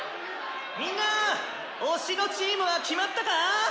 「みんな推しのチームは決まったか？